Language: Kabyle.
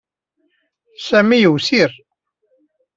Sami yiwsir.